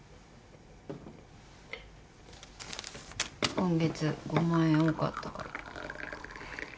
今月５万円多かったから。